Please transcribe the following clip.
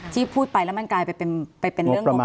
ที่พูดไปแล้วมันกลายเป็นงบประมาณ